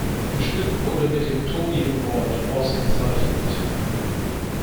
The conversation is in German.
Das Stück wurde mit dem Tony Award ausgezeichnet.